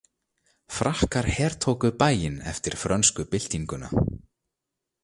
Frakkar hertóku bæinn eftir frönsku byltinguna.